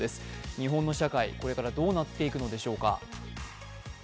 日本の社会、これからどうなっていくのでしょうか。